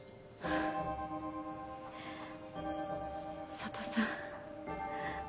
佐都さん。